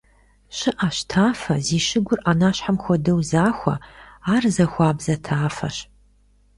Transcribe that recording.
ЩыӀэщ тафэ, зи щыгур Ӏэнащхьэм хуэдэу захуэ; ар захуабзэ тафэщ.